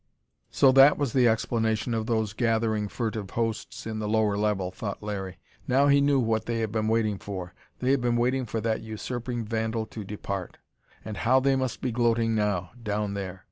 So that was the explanation of those gathering, furtive hosts in the lower level, thought Larry. Now he knew what they had been waiting for! They had been waiting for that usurping vandal to depart. And how they must be gloating now, down there!